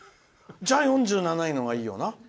じゃあ、４７位のほうがいいよな。